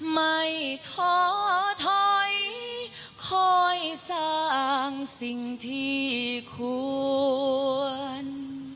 ไม่ท้อถอยคอยสร้างสิ่งที่ควร